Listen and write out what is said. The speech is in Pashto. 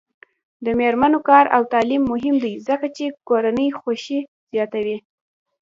د میرمنو کار او تعلیم مهم دی ځکه چې کورنۍ خوښۍ زیاتوي.